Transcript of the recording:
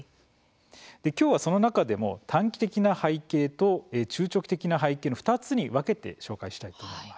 今日はその中でも短期的な背景と中長期的な背景の２つに分けて紹介したいと思います。